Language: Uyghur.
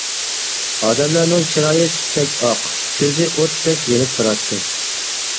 ئادەملەرنىڭ چىرايى سۈتتەك ئاق، كۆزى ئوتتەك يېنىپ تۇراتتى.